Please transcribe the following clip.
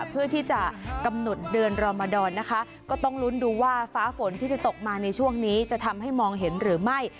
เพื่อที่จะกำหนดเดือนรอมดรนะคะก็ต้องลุ้นดูว่าฟ้าฝนที่จะตกมาในช่วงนี้จะทำให้มองเห็นหรือไม่